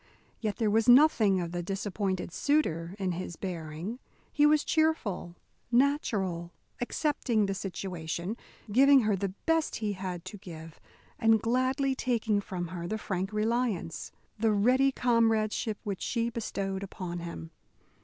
Yet there was nothing of the disappointed suitor in his bearing. He was cheerful, natural, accepting the situation, giving her the best he had to give, and gladly taking from her the frank reliance, the ready comradeship which she bestowed upon him.